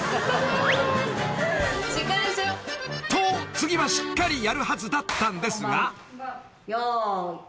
次はしっかりやるはずだったんですが］